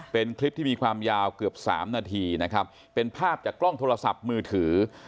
เป็นคลิปที่มีความยาวเกือบสามนาทีนะครับเป็นภาพจากกล้องโทรศัพท์มือถือ